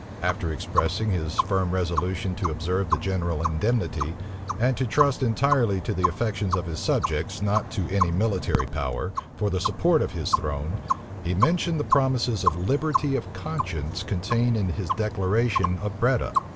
After expressing his firm resolution to observe the general indemnity, and to trust entirely to the affections of his subjects, not to any military power, for the support of his throne, he mentioned the promises of liberty of conscience contained in his declaration of Breda.